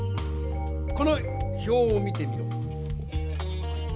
この表を見てみろ。